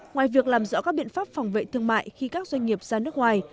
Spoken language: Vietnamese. ngoài việc làm rõ các biện pháp phòng vệ thương mại khi các doanh nghiệp ra nước ngoài